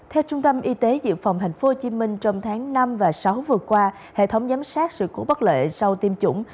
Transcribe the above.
theo trung tâm y tế dự phòng tp hcm trong tháng năm và sáu vừa qua hệ thống giám sát sự cú bất lợi sau tiêm chủng